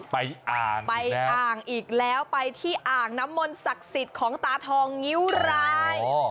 อ่างไปอ่างอีกแล้วไปที่อ่างน้ำมนต์ศักดิ์สิทธิ์ของตาทองงิ้วราย